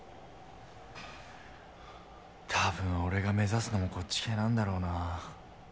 多分俺が目指すのもこっち系なんだろうなぁ。